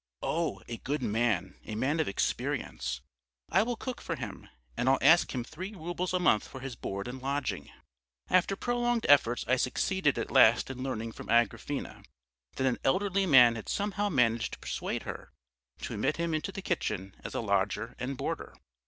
"Oh, a good man, a man of experience. I will cook for him. And I'll ask him three roubles a month for his board and lodging." After prolonged efforts I succeeded at last in learning from Agrafena that an elderly man had somehow managed to persuade her to admit him into the kitchen as a lodger and boarder.